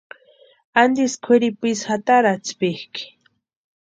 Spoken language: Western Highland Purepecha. ¿Antisï kwʼiripu ísï jatarhaatspikʼi?